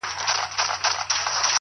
زحمت د استعداد ارزښت لوړوي’